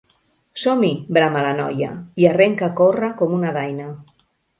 Som-hi! —brama la noia, i arrenca a córrer com una daina.